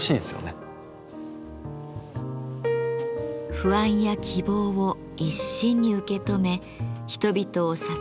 不安や希望を一身に受け止め人々を支え続ける大仏。